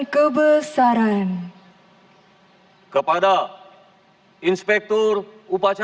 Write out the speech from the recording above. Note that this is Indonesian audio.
kembali ke tempat